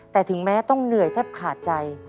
แต่ถึงแม้ต้องเหนื่อยแทบขาดใจ